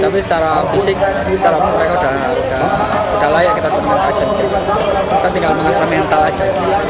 tapi secara fisik secara mereka udah layak kita untuk melatih asian games kita tinggal mengasah mental aja